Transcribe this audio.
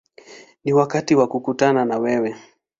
Ni wakati wa kukutana na wewe”.